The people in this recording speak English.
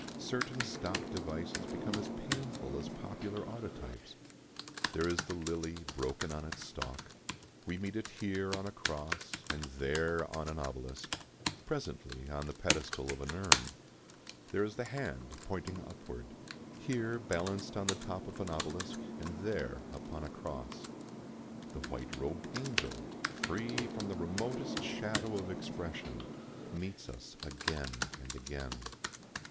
Certain stock devices become as painful as popular autotypes. There is the lily broken on its stalk; we meet it here on a cross and there on an obelisk, presently on the pedestal of an urn. There is the hand pointing upward, here balanced on the top of an obelisk and there upon a cross. The white robed angel, free from the remotest shadow of expression, meets us again and again.